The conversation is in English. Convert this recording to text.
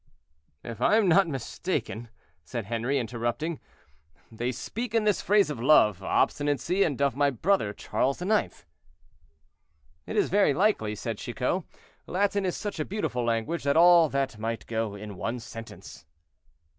"If I am not mistaken," said Henri, interrupting, "they speak in this phrase of love, obstinacy, and of my brother, Charles IX." "Very likely," said Chicot; "Latin is such a beautiful language, that all that might go in one sentence."